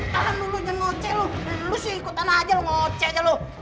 kamu dulu ngocel lu ikutan aja lu ngocel lu